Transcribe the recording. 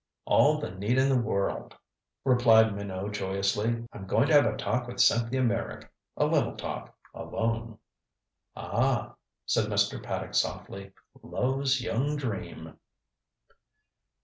"All the need in the world," replied Minot joyously. "I'm going to have a talk with Cynthia Meyrick. A little talk alone." "Ah," said Mr. Paddock softly, "love's young dream."